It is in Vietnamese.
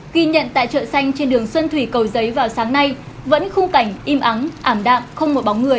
ghi nhận tại chợ xanh trên đường xuân thủy cầu giấy vào sáng nay vẫn khung cảnh im ắng ảm đạm không một bóng người